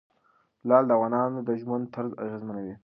لعل د افغانانو د ژوند طرز اغېزمنوي.